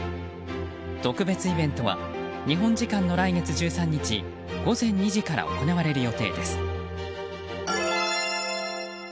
特別イベントは日本時間の来月１３日午前２時から行われる予定です。